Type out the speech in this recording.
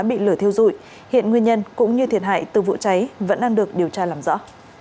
bị lửa thiêu dụi hiện nguyên nhân cũng như thiệt hại từ vụ cháy vẫn đang được điều tra làm rõ